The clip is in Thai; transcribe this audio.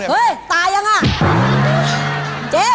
โอ้โฮ